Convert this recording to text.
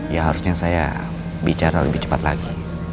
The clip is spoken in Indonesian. ya harusnya saya bicara lebih cepat lagi